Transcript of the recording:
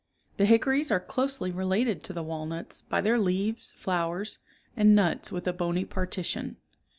The hickories are closely related to the walnuts, by their leaves, flowers, and nuts with a bony parti tion.